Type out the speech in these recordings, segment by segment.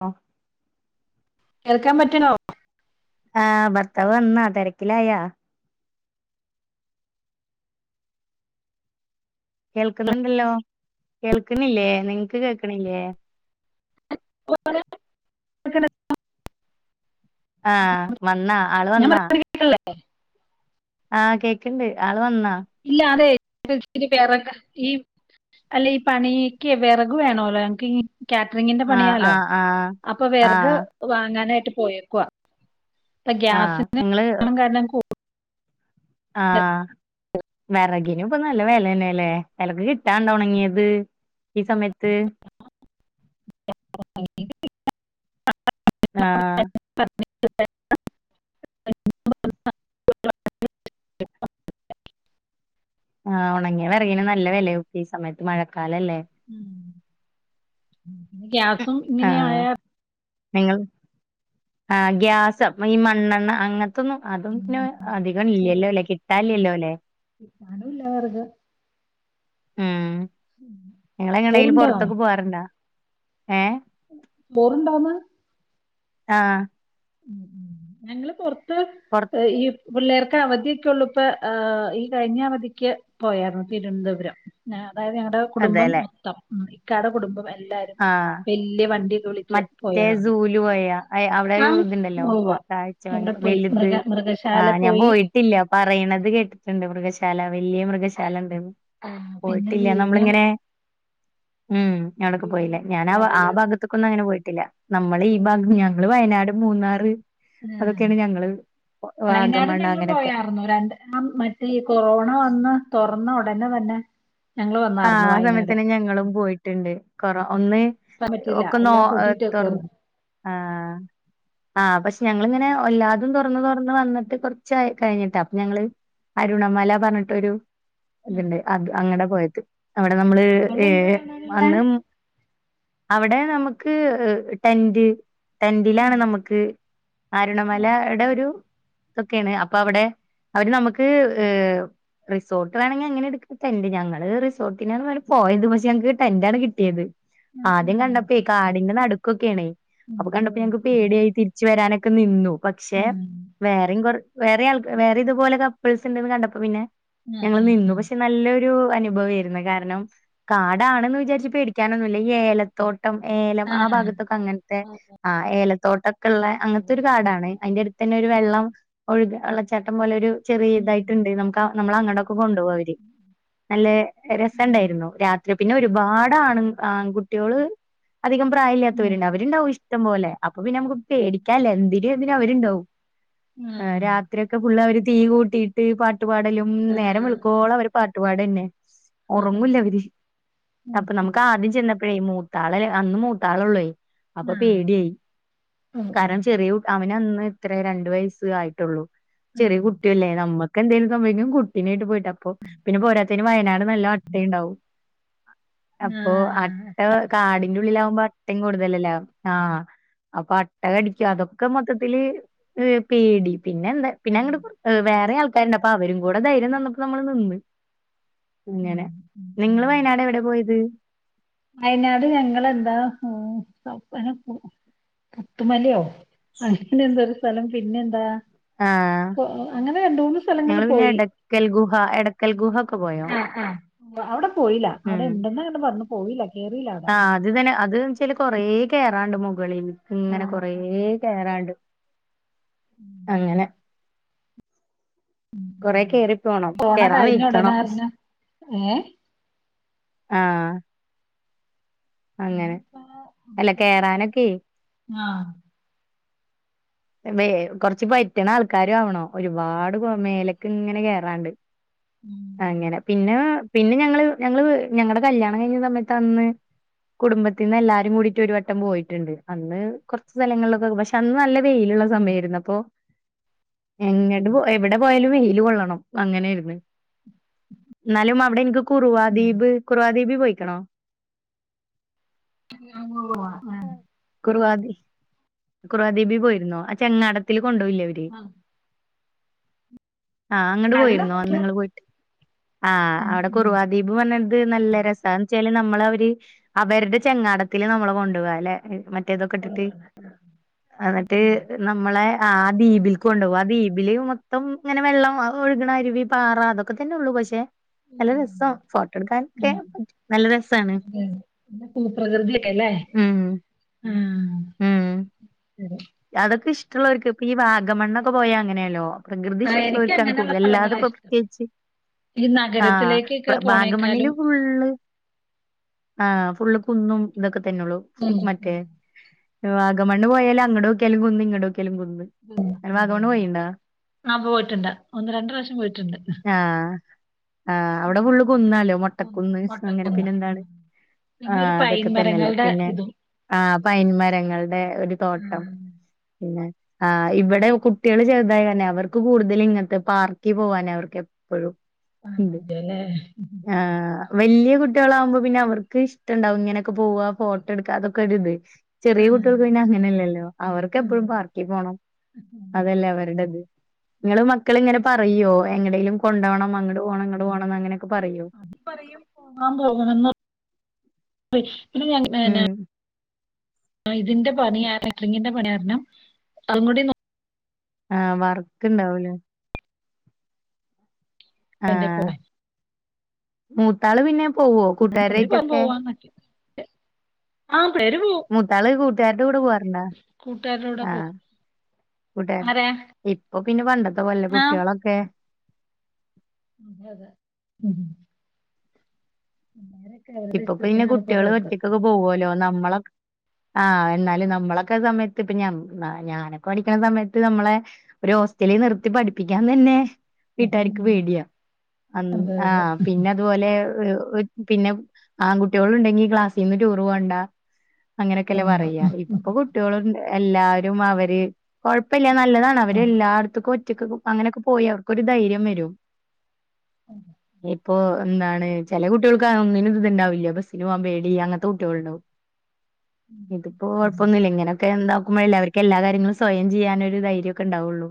ആ കേൾക്കാൻ പറ്റണോ? ആ ഭർത്താവ് വന്നാ തെരക്കിലായ? കേൾക്കുന്നുണ്ടല്ലോ. കേൾക്കണില്ലേ? നിങ്ങക്ക് കേക്കണില്ലേ? [unintelligible] ആ വന്നാ ആള് ഞാൻ വന്നാ? പറയുന്നത് [inaudible] ആ കേക്കിണ്ട്. ആള് വന്നാ? ഇല്ല. അതെ ച്ചിരി വെറക, ഈ, അല്ല, ഈ പ, ണിക്ക് വെറക്, വേണോ ഞങ്ങക്ക് ഈ കാറ്ററിങ്ങിന്റെ ആഹ് പണിയാലോ. ആഹ് ആഹ് അപ്പൊ വെറക് ആഹ് വാങ്ങാനായിട്ട് പോയേക്കുവ. ഇപ്പം ആഹ് ഗ്യാസിന്റെ ക്ഷാമം കാരണം കൂ ആ വെറകിനും ഇപ്പൊ നല്ല വെലന്നെല്ലേ. വെലക്ക് കിട്ടാണ്ടോ ഒണങ്ങിയത് ഈ സമയത്ത്. [unintelligible] ആഹ് [unintelligible] [unintelligible] ആ ഒണങ്ങിയ വെറകിന് നല്ല വെലയാവും. ഈ സമയത്ത് മഴക്കാ ഉം ഇനി ഗ്യാസും ആഹ് ഇങ്ങനെയായ നിങ്ങൾ ആ ഗ്യാസും, ഈ മണ്ണെണ്ണ അങ്ങനത്തൊന്നും, അതും പിന്നെ അധികം ഇല്ല്യല്ലോ അല്ലെ. കിട്ടാല്ല്യല്ലോ അല്ലേ. കിട്ടാനുംല്ല വെറക്. ഉം നിങ്ങളെങ്ങണേലും ചോറുണ്ടാവാ പൊറത്തൊക്കെ പോവാറുണ്ടാ. ഏ ബോറുണ്ടാമ്മാ. ആ ഉം ഉം ഞങ്ങള് പൊറത്ത് പൊറ ഈ പിള്ളേർക്ക് അവധിയൊക്കെ ഉള്ളപ്പ ആ ഈ കഴിഞ്ഞ അവധിക്ക് പോയാരുന്നു തിരുവന്തപുരം. അതായത് ഞങ്ങട കുടുംബം അതെല്ലെ മൊത്തം, ഉം ഇക്കാടെ കുടുംബം എല്ലാരും ആഹ് വലിയ വണ്ടി മറ്റേ സൂല് പോയാ അയ് അവിടെ ആഹ് ഇതിണ്ടല്ലോ ഉവ്വ. അവിടെ കാഴ്ചബംഗ്ല പോയി വലുത് മൃഗ ആ മൃഗശാല ഞാൻ പോയി പോയിട്ടില്ല പറയണത് കേട്ടിട്ട്ണ്ട് മൃഗശാ ശാല വല്യ മൃഗശാലണ്ട്ന്ന് ആഹ് പിന്നെ പോയിട്ടില്ല വിഴിഞ്ഞം നമ്മളിങ്ങനെ ഉം അവിടൊക്കെ വിഴിഞ്ഞം പോയില്ലേ. ഞാന ആ ആ കടല് ഭാഗത്തേക്കൊന്നും അങ്ങനെ പോയിട്ടില്ല. നമ്മള് ഈ ഭാഗം ഞങ്ങള് വയനാട് ട് മൂന്നാറ് അതൊക്കെയാണ് ഞങ്ങള് വയനാടും വാഗമണ് ഞങ്ങൾ അങ്ങനൊക്കെ പോയാർന്നു രണ്ട് ആ മറ്റേ ഈ കൊറോണ വന്ന് തൊറന്നൊട എന്നാ വന്നെ ആ ആ സമയത്തന്നെ ഞങ്ങളും പോയിട്ടുണ്ട് കൊറോ ഒന്ന് ക്കാൻ പറ്റില്ല ഒക്കെ നോ എല്ലാം തൊറ പൂട്ടിയിട്ടേക്കുവായിരുന്നു. ആ ആ പക്ഷെ ഞങ്ങളിങ്ങനെ വല്ലാതും തോ തൊറന്ന് തൊറന്ന് വന്നിട്ട് കൊറച്ച് ക കഴിഞ്ഞിട്ട അപ്പൊ ഞങ്ങള് അരുണമല പറഞ്ഞിട്ടൊരു അതിണ്ട് അത് അങ്ങടാ പോയത് അവിടെ ആഹ് നമ്മള് അവിടെ ഏ എന്താ കാണാനുള്ള വന്ന് അവിടെ നമുക്ക് ടെന്റ് ടെന്റിലാണ് ആഹ് നമുക്ക് ആഹ് അരുണമലടെ ഒരു ഇതൊക്കേണ് അപ്പൊ അവിടെ അവര് നമുക്ക് റിസോർട്ട് വേണങ്കി അങ്ങനെ എടുക്കാം ടെന്റ് ഞങ്ങള് റി സോട്ടിനാണ് പോയത് പക്ഷേ ഞങ്ങക്ക് ടെന്റാണ് കിട്ടിയത് ആഹ് ആദ്യം ആഹ് കണ്ടപ്പയെ കാടിന്റെ നടു ക്കൊക്കേണേ ഉം അപ്പൊ ഓ കണ്ടപ്പോ ഞങ്ങക്ക് ശരി പേടിയായി തിരിച്ചുവരാനൊക്കെ നിന്നു. പക്ഷെ ഉം വേറെയും കൊറ വേറെ ആൾ വേറെ ഇതുപോലെ കപ്പിൾസ് ഉണ്ട്ന്ന് കണ്ടപ്പോ പിന്നെ. ആഹ് ഞങ്ങള് നിന്നു ആഹ് പക്ഷെ നല്ലൊരു അനുഭവേരുന്നു കാരണം കാടാണെന്ന് വിചാരിച് പേ ടിക്കാനൊന്നുല്ല ഈ ഏലത്തോട്ടം ഏലം ആ ആഹ് ആഹ് ഭാഗത്തൊക്കെ അങ്ങനത്തെ ഓ ആ ഏലത്തോട്ടം. ക്കെള്ള അങ്ങനത്തെ ഒരു കാടാണ് അതിന്റെടുത്തന്നെ ഒരു വെള്ളം ഒഴ്ക വെള്ളച്ചാട്ടം പോലൊരു. ചെറിയ ഉം ഇതായിട്ട്ണ്ട് നമുക്ക നമ്മള അങ്ങടക്കെ കൊണ്ടോവവര് നലെ. ഉം രസണ്ടായിരുന്നു രാത്രി പിന്നെ ഒരുപാട് ആണ് ആൺകുട്ട്യോള്. അധികം ഉം പ്രായല്യാതോര്ണ്ട് അവര്ണ്ടാവും ഇഷ്ടം പോലെ. അപ്പൊ പിന്നമുക്ക് പേടിക്കാല്ല എന്തിനും ഏതിനും അവര്ണ്ടാവും ഉം ആഹ് രാത്രിയൊക്കെ ഫുള്ളവര് തീ കൂട്ടിയിട്ട് പാട്ടുപാടലും നേരം വെളക്കോളം അവര് പാട്ടുപാടന്നെ. ആഹ് ഒറങ്ങൂല്ലവര് ഉം അപ്പൊ ഉം നമുക്ക് ആദ്യം ചെന്നപ്പോഴേ മൂ ത്താളല് അന്ന് മൂത്താളൊള്ളേ അപ്പൊ ആഹ് പേടിയായി ഓ ഓ കാരണം ചെറിയ കു അവനന്ന്. ഇത്ര രണ്ടവയസ് ആയിട്ടൊള്ളൂ ചെറിയ കുട്ടിയല്ലേ നമ്മ. ക്കെന്തേലും സംഭവിക്കും കുട്ടീനായിട്ട് പോയിട്ട് അപ്പൊ പിന്നെ പോരാത്തെന് വയനാട് നല്ല അട്ടയ്ണ്ടാവും. അപ്പൊ ആഹ് അട്ട കാടിന്റെ ഉള്ളിലാവുമ്പോ അട്ടേം കൂടുതലല്ലെ ആ. അപ്പൊ അട്ട കടിക്കും അതൊക്കെ മൊത്തത്തില് പേടി. പിന്നെന്താ ആഹ് പിന്നെ അങ്ങട് വേറെ ആൾക്കാര്ണ്ട് അപ്പൊ അവരും കൂടെ ധൈര്യം തന്നപ്പോ നമ്മള് നിന്ന്. ഉം അങ്ങനെ ഉം ഉം ഉം നിങ്ങള് വയനാടെവിടെ പോയത്. വയനാട് ഞങ്ങളെന്താ പൂ പുത്തുമലയോ. അങ്ങനെ എന്തോ ഒരു സ്ഥലം പിന്നെന്താ. ആഹ് അങ്ങനെ രണ്ടൂന്ന് സ്ഥലങ്ങളിൽ ഞങ്ങള് പിന്നെ പോയി. എടക്കൽ ഗുഹ എടക്കൽ ഗുഹ ഒക്കെ പോയോ? ആ ആ അവിടെ പോയില്ല അവിടെ ഇണ്ടന്നാണ്ട് പറഞ്ഞു പോയില്ല. കേറിയില്ല അവിടെ ആ അത് ഇതന്നെ അത്ച്ചാല് കൊറേ കേറാണ്ട്‌ മുകളിൽ. ഇങ്ങനെ ആഹ് കൊറേ കേറാണ്ട്. അങ്ങനെ. കൊറെ കേറി പോണം കൊറോണ കേറാൻ കഴിഞ്ഞ ഉടനെ വെയിക്കണം. അറിഞ്ഞു ഏഹ് ആ ഇപ്പ അല്ല കേറാനൊക്കെ ആ. വെ കൊറച്ച് പറ്റ്ണ ആൾക്കാരാവണം ഒരുപാട് അത് ശരിയാ മേലക്ക്ങ്ങനെ കേറാണ്ട്. അങ്ങനെ ഉം പിന്നെ. പിന്നെ ഞങ്ങള് ഞങ്ങള് ഞങ്ങടെ കല്യാണം കയിഞ്ഞ സമയത്ത് അന്ന്. കുടുംബത്തിന്ന് എല്ലാരും കൂടിയിട്ട് ഒരു വട്ടം പോയിട്ടുണ്ട് അന്ന് കൊറച്ച് സ്ഥലങ്ങളിലൊക്കെ പക്ഷെ അന്ന് നല്ല. വെയിലുള്ള സമയാരുന്നു അപ്പൊ. എങ്ങട്ട് പോ എവിടെ പോയാലും വെയില് കൊള്ളണം അങ്ങനെയിരുന്നു. ന്നാലും അവിടെ എനിക്ക് കുറുവാദ്വീപ് കുറവാദ്വീപ് പോയിക്കണോ. [unintelligible] കുറുവാധീപ് പോയിരുന്നോ ആ ചെങ്ങാടത്തില് കൊണ്ടൊവില്യേ അവര്. ആ അങ്ങട് പോയിരുന്നോ ഉം അന്ന്ങ്ങള് പോയിട്ട്. ആ അവിടെ ഉം. കുറുവാദ്വീപ് വന്ന് ത് നല്ല രസ. ച്ചാല് നമ്മളവര് അവരടെ ചെങ്ങാടത്തിൽ നമ്മളെകൊണ്ടോവാലെ മറ്റേ. [unintelligible] നമ്മളെ ആ ദിപിൽക്ക് കൊണ്ടോവും ആ ദ്വീപില് മൊത്തം ഇങ്ങനെ വെള്ളം ഒഴുകണ അരുവി പാറ. അതൊക്കെ തന്നെള്ളൂ പക്ഷേ. നല്ല ഉം, രസ ഫോട്ടോ എടുക്കാനൊക്കെ ഉം. നല്ല രസാണ്. പ്രകൃതിയൊക്കെല്ലേ. മ്മ്. അതൊക്കെ ഇഷ്ടോള്ളവർക്ക് ഇപ്പൊ ഈ വാഗമണ്ണൊക്കെ പോയ അങ്ങനെയാണിപ്പോ പ്രകൃതി ആഹ് എനിക്ക് ഇഷ്ടള്ളവർക്കാണ് അങ്ങനെയുള്ള കൂടുതൽ അല്ലാത സ്ഥലങ്ങളാ ഇഷ്ടം ഇപ്പോപ്രത്യേകിച്ച്. ഈ ആഹ് പ്ര നഗരത്തിലേക്കൊക്കെ വാഗമണ്ണില് പോണേക്കാളും ഫുള്ള് ആ. ഫുള് കുന്നും ഇതൊക്കെ തന്നെയള്ളൂ ഉം മറ്റേ ഉം വാഗമണ്ണ് പോയാല അങ്ങടോ. കെലുങ്കുന് ഇങ്ങടോക്കിയാലും കുന്ന് വാഗമണ്ണ് പോയിണ്ടാ ആ പോയിട്ടുണ്ട് ഒന്ന് രണ്ട് പ്രാവശ്യം പോയിട്ടുണ്ട് ആ അവിടെ ഫുള്ള് ഉം. കുന്നാലോ കുന്ന് മുട്ടക്കുന്ന് അങ്ങനെ കോട്ടക്കുന്ന്. പിന്നെ എന്താണ് ഉം. ആ പിന്നെ ഒരു പൈൻ അതൊക്കെ തന്നെല്ലേ മരങ്ങളുടെ പിന്നെ ഇതും ആ പൈൻ മരങ്ങളുടെ ഒരു തോട്ടം ആഹ് പിന്നെ ആ ഇവിടെ കുട്ടികള് ചെറുതായി തന്നെ അവർക്ക് കൂടുതൽ ഇങ്ങത്തെ പാർക്കിൽ പോവാനെ അവർക്ക് എപ്പോഴും ആ [unintelligible] ല്ലേ ആഹ് വലിയ കുട്ടികളാകുമ്പോൾ പിന്നെ അവർക്ക് ഇഷ്ടുണ്ടാവും ഇങ്ങനെയൊക്കെ പോവ ഫോട്ടോ എടുക്കുക അതൊക്കെ ഒരിത് ചെറിയ ആഹ് കുട്ടികൾക്ക് പിന്നെ അങ്ങനെല്ലല്ലോ അവർക്ക് അതെ എപ്പോഴും അതെ. പാർക്കിൽ പോണം ഉം. അതല്ലേ അവര് ണ്ട നിങ്ങള് മക്കള് ഇങ്ങനെ പറയോ എങ്ങടെലും കൊണ്ടോണം അങ്ങട് പോണം ഇങ്ങട് പോണം ആ മകളു പറയും അ പോകാം പോകണംന്ന് ഉം [unintelligible] ആ ഇതിന്റെ പണി കാരണ റിംങ്ങിന്റെ പണി കാരണം അതും കൂടി നോ ആ വർക്ക് ഇണ്ടാവൂലേ എന്റെ പോ ആഹ് മൂത്താള് പിന്നെ പോവോ കൂട്ടുകാരായിറ്റൊക്കെ ആമ് മുത്താള് കൂട്ടുകരുടെ കൂടെ പോവാ കൂട്ടുകാരുടെ കൂടെ പോ കൂട്ടെ ഇപ്പൊ പിന്നെ പണ്ടത്തെ പോലല്ലെ കുട്ടികളൊക്കെ അത ഉം [unintelligible] ഇപ്പ പിന്നെ ഇഷ്ടത്തിനാണ് ഇപ്പൊ കുട്ടികള് പോക്ക്. ഒറ്റക്കൊക്കെ പോവല്ലോ നമ്മള ആ എന്നാലും നമ്മളൊക്കെ സമയത്ത് പിന്നെ മ് അ ഞാനൊക്കെ പഠിക്കണ സമയത്ത് നമ്മളെ ഒരു അവസ്ഥയില് നിർത്തി പഠിപ്പിക്കാൻ തന്നെ വീട്ടാർക്ക് ഉം. പേടിയാ അതെ ആ അതെ പിന്നെ അതുപോലെ പിന്നെ ആൺകുട്ടികളോ ഉണ്ടെങ്കി ക്ലാസ്സിന്ന് ടൂറ് പോണ്ട അങ്ങനെയൊക്കെല്ലാം പോണ്ട. പറയാ ഉം. ഇപ്പൊ കുട്ടികള് എല്ലാരും അവര് കുഴപ്പ ഇല്ല നല്ലതാണ് അവര് എല്ലായിടത്തക്കും ഒറ്റ അങ്ങനെയൊക്കെ പോയി അവർക്കൊ ഒരു ധൈര്യം വരും [unintelligible] അപ്പൊ എന്താണ് ചെല കുട്ടികൾക്ക് അതൊന്നിനും ഇതുണ്ടാവില്ല ബസ്സിന് പോകാൻ പേടി അങ്ങനത്തെ കുട്ടികൾ ഉണ്ടാവും ഇതിപ്പോ ഉം. കൊഴപ്പൊന്നില്ല ഇങ്ങനെയൊക്കെ എന്താ ആക്കുമ്പഴല്ല അവർക്ക് എല്ലാ കാര്യങ്ങളും സ്വയം ചെയ്യാനൊരു ധൈര്യം ഒക്കെ ഉണ്ടാവുള്ളൂ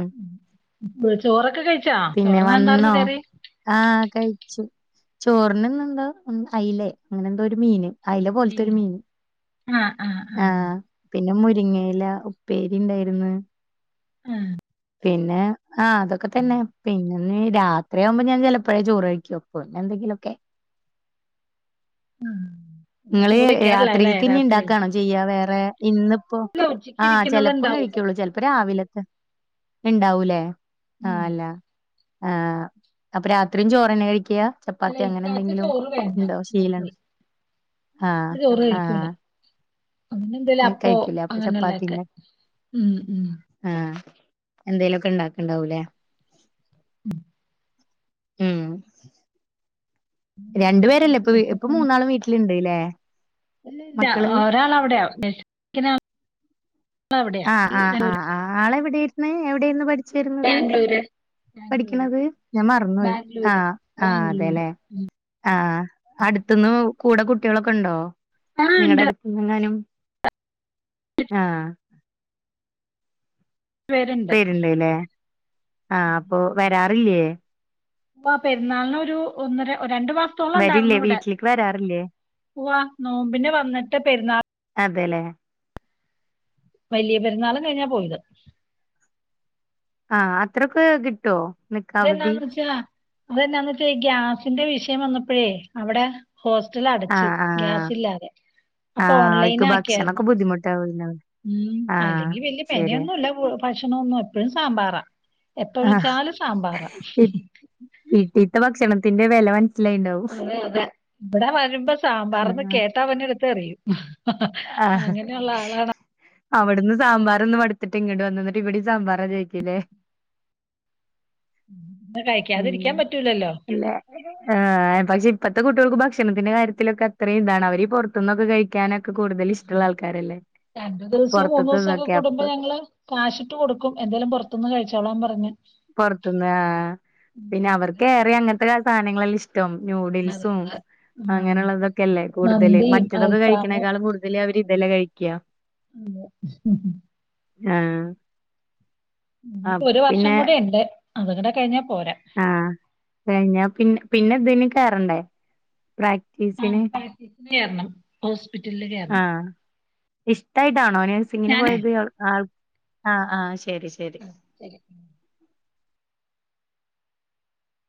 ഉം ചോറൊക്കെ കഴിച്ച പിന്നെ വന്നോ ആ കഴിച്ചു ചോറിനിനെന്തോ അലെ അങ്ങനെ എന്തോ ഒരു മീന് അല പോലത്തെ ഒരു മീൻ. മീന് ആ ആ പിന്നെ മുരിങ്ങയില ഉപ്പേരി ഇണ്ടായിന്ന് ആ പിന്നെ ആ അതൊക്കെ തന്നെ പിന്നെ രാത്രിയാ ആകുമ്പോ ഞാൻ ചെലപ്പോഴേ ചോറ് കഴിക്കും പിന്നെ എന്തെ ലൊക്കെ ആ. അപ്പൊ നിങ്ങള് ചോറ് കഴിക്കാറില്ല അല്ലേ രാത്രിൽക്ക് ഇനി രാത്രി? ഇണ്ടാക്കണോ ചെയ്യാ വേറെ ഇന്ന് അപ്പ അല്ല ഉച്ചയ്ക്ക് ആ ചിലപ്പം ഇരിക്കുന്നതുണ്ടാവും. കഴിക്കുള്ളൂ ചിലപ്പോ രാവിലൊക്കെ ഉണ്ടാവൂലേ ആ ഉം. അല്ല ആ അപ്പൊ രാത്രിയും ചോറ്ന്നെ കഴിക്കാ അല്ല ചപ്പാത്തി അങ്ങനെ ഇക്കാക്ക് എന്തെങ്കിലും ചോറ് വേണ്ട ഉണ്ടോ രാത്രി. ശീലണ്ടോ ആ ഇക്ക ചോറ് ആ കഴിക്കൂല. അങ്ങനെ എന്തേലും ആ അപ്പോ കഴിക്കൂലേ അപ്പൊ അങ്ങനെയുള്ളതൊക്കെ. ചപ്പാത്തില്ല ഉം ഉം. ആ എന്തേലുമൊക്കെ ഇണ്ടാക്കണ്ടാവൂലേ ഉം ഉം പിന്നെന്താ രണ്ടു വേറെന്താ പേരല്ലേ ഇപ്പൊ ഇപ്പ വിശേഷൊക്കെ? മൂന്നാളും വീട്ടിലുണ്ട്ല്ലേ ഇല്ല ഇല്ല മക്കള് ഒരാൾ അവിടെയാ - ആ ആ ആ ആ ആള വിടെയിര്ന്ന്? എവിടെയിന്ന് പടി? ബാംഗ്ലൂര്. ബാംഗ്ലൂര് പഠിക്കണത് ഞാൻ മറന്നപോയി ആ ബാംഗ്ലൂര് ആ ബാംഗ്ലൂര്. അതെല്ലേ. ആ ആ അടുത്തന്ന് കൂടെ കുട്ടികളൊക്കെ ണ്ടോ ആ ഉണ്ട് നിങ്ങളുടെ അടുത്തന്ന ങ്ങാനും? ആ പേരുണ്ട്. പേരുണ്ടല്ലേ ആ അപ്പൊ വരാ റില്ലേ? അപ്പ പെരുന്നാളിനൊരു ഒന്നര- രണ്ടു മാസത്തോളം വരില്ലേ ണ്ടായിരുന്നു വിടെ വീട്ടിലേക്ക് വരാറില്ലേ വാ നോമ്പിനെ വന്നിട്ട് പെരുന്നാൾ- അതെലെ? വലിയ പെരുന്നാളും കഴിഞ്ഞാ പോയത്. ആ അത്രക്കെ കിട്ടോ? അതെന്നാന്ന് വെച്ചാ അതെന്നാന്ന് വച്ചാ ഗ്യാസിന്റെ വിഷയം വന്നപ്പോഴേ അവിടെ. ഹോസ്റ്റൽ അടച്ചു ആഹ് ആഹ് ഗ്യാസ്ല്ലാതെ. അപ്പൊ ആഹ് അവർക്ക് ഓൺലൈനക്കിയായിരുന്നു ഭക്ഷണൊക്കെ ബുദ്ധിമുട്ടാവുണ്ടാവും ഉം ആഹ് അല്ലെങ്കി വലിയ ശരിയാ പെനയൊന്നുംല്ല. ഭക്ഷണൊന്നും എപ്പഴും സാമ്പാറാ എപ്പ ആഹ് വിളിച്ചാലും സാമ്പാറാ. വീട്ടീത്തെ ഭക്ഷണത്തിന്റെ വിലവൻ- അതെ അതെ ഇവിടെ വരുമ്പോ സാമ്പാർന്ന് കേട്ടാ അവന്നടുത്ത് എറിയും. ആ ആഹ് അങ്ങനെയുള്ള ആളാണ്. അവിടുന്ന് സാമ്പാർ ഒന്ന് പടുത്തിട്ട് ഇങ്ങോട്ട് വന്നന്നിട്ട് ഇവിടെ സാമ്പാറാ ചോയിക്കില്ലേ.? അന്ന് മ് കഴിക്കാതിരിക്കാൻ പറ്റൂലല്ലോ ഇല്ല ആ പക്ഷെ - ഇപ്പത്തെ കുട്ടികൾക്ക് ഭക്ഷണത്തിന്റെ കാര്യത്തിലൊക്ക അത്രയും താണ് അവരീ പുറത്തനിന്നൊക്കെ കഴിക്കാനൊക്കെ കൂടുതൽ ഇഷ്ടമുള്ള ആൾക്കാരല്ലേ. രണ്ടു ദിവസവും മൂന്നു പുറത്തത്തെ ദിവസം ഒക്കെ ഇതൊക്കെ കടുമ്പോ അപ്പൊ ഞങ്ങള് കാശ് ഇട്ട് കൊടുക്കും എന്തേലും പുറത്തുന്ന് കഴിച്ചോളാം പറഞ്ഞ് പുറത്തുന്ന് ആ ഉം, പിന്നെ അങ്ങനെ അവർക്ക് ഏറെ അങ്ങനത്തെ സാധനങ്ങളെല്ലാം ഇഷ്ട. തും ന്യൂഡിൽസും- അതായത് ഉം, അങ്ങനെയുള്ളതൊക്കെല്ലേ കൂടുതല് മന്തിയും മറ്റേതൊക്കെ അൽഫാമും കഴിക്കണേക്കാളും കൂടുതല് അവര് ഇതെല്ലാം കഴിക്ക. അതെ. ആ ഇനിയിപ്പോ ഒരു വർഷം കൂടി ണ്ട് അത കൂടെ കഴിഞ്ഞ- ആ കഴിഞ്ഞ പിന്ന പിന്നെതിന് കയറണ്ടേ? പ്രാക്ടീസിന്. കേറണം ഹോസ്പിറ്റലില് കേറണം. ഇഷ്ടായിട്ടാണോന് നയ്‌സിങ്ങിന് പോയത് ആ ആ- ശരി ശരി. ആ, ശരി